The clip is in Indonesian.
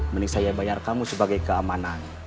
mending saya bayar kamu sebagai keamanan